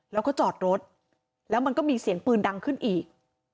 แล้วก็จอดรถแล้วมันก็มีเสียงปืนดังขึ้นอีก